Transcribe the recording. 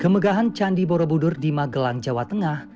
kemegahan candi borobudur di magelang jawa tengah